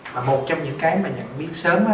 mà một trong những cái mà nhận biết sớm á